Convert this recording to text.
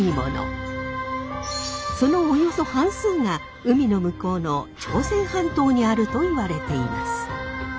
そのおよそ半数が海の向こうの朝鮮半島にあるといわれています。